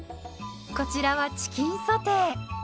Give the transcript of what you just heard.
こちらはチキンソテー。